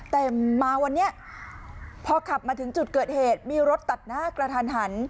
แต่มาวันนี้พอขับมาถึงจุดเกิดเหตุมีรถตัดหน้ากระทันหัน